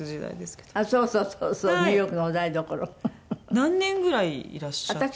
何年ぐらいいらっしゃった？